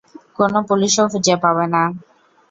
কোন পুলিশও খুঁজে পাবে না।